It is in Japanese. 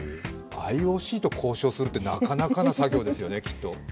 ＩＯＣと交渉するって、なかなかな作業ですよね、きっと。